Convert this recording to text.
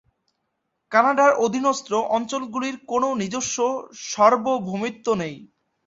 কানাডার অধীনস্থ অঞ্চলগুলির কোন নিজস্ব সার্বভৌমত্ব নেই।